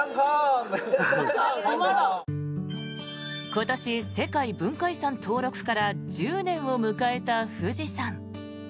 今年、世界文化遺産登録から１０年を迎えた富士山。